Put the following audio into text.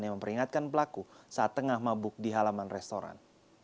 yang memperingatkan pelaku saat tengah mabuk di halaman restoran